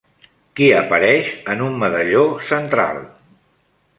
Qui apareix en un medalló central?